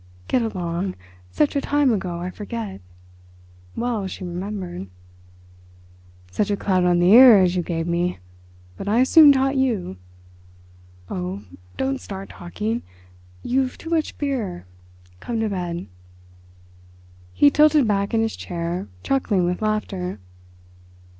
"Get along! Such a time ago I forget." Well she remembered. "Such a clout on the ear as you gave me.... But I soon taught you." "Oh, don't start talking. You've too much beer. Come to bed." He tilted back in his chair, chuckling with laughter.